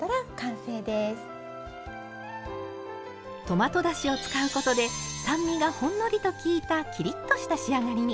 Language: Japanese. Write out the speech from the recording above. トマトだしを使うことで酸味がほんのりと効いたきりっとした仕上がりに。